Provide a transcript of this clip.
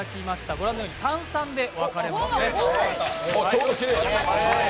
ご覧のように３−３で分かれましたね。